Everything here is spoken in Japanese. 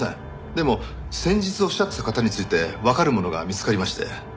でも先日おっしゃっていた方についてわかる者が見つかりまして。